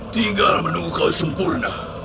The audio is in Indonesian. tinggal menunggu kau sempurna